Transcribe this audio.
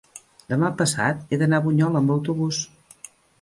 Demà passat he d'anar a Bunyola amb autobús.